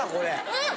うん！